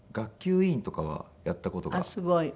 あっすごい。